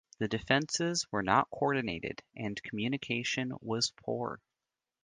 The defences were not coordinated and communication was poor.